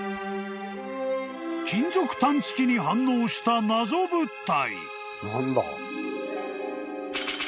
［金属探知機に反応した謎物体］